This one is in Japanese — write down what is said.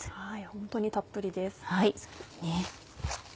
ホントにたっぷりです。